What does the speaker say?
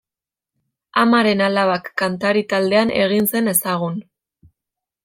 Amaren Alabak kantari taldean egin zen ezagun.